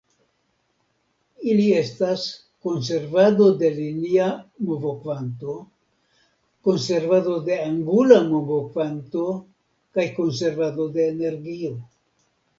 Ili estas Konservado de Linia Movokvanto, Konservado de Angula Movokvanto, kaj Konservado de Energio.